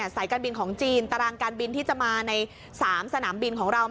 สายการบินของจีนตารางการบินที่จะมาใน๓สนามบินของเรา